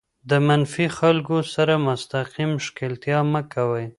د منفي خلکو سره مستقیم ښکېلتیا مه کوئ.